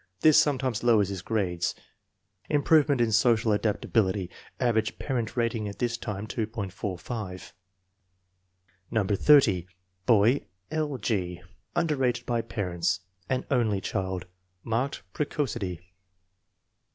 This sometimes lowers his grades. Improvement in social adaptability. Average parent rating at this time, 2.45. No. 30. Boy: L. 0. Underrated by parents. An "only " child. Marked precocity.